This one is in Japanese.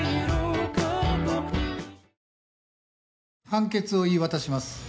判決を言い渡します。